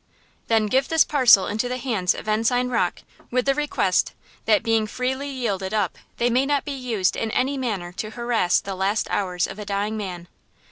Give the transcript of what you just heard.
"Then give this parcel into the hands of Ensign Rocke, with the request, that being freely yielded up, they may not be used in any manner to harass the last hours of a dying man."